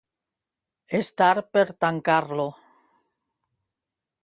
Estar per tancar-lo.